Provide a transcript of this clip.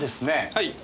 はい。